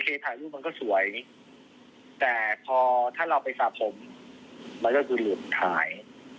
ถ่ายรูปมันก็สวยแต่พอถ้าเราไปสระผมมันก็คือหลุดท้าย